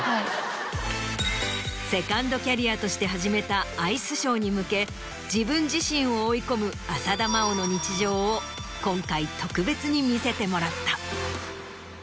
セカンドキャリアとして始めたアイスショーに向け自分自身を追い込む浅田真央の日常を今回特別に見せてもらった。